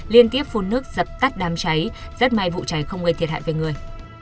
liên tiếp phun nước dập tắt đám cháy rất may vụ cháy không gây thiệt hại về người